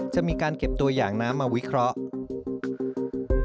จะมีการเก็บตัวอย่างน้ำมาวิเคราะห์